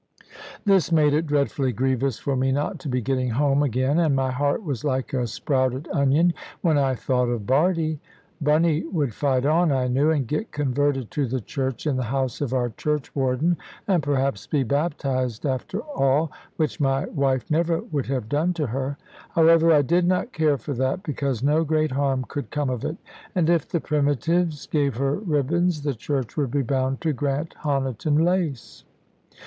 This made it dreadfully grievous for me not to be getting home again; and my heart was like a sprouted onion when I thought of Bardie. Bunny would fight on, I knew, and get converted to the Church in the house of our churchwarden, and perhaps be baptised after all, which my wife never would have done to her. However, I did not care for that, because no great harm could come of it; and if the Primitives gave her ribbons, the Church would be bound to grant Honiton lace.